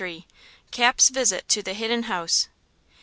CAP'S VISIT TO THE HIDDEN HOUSE.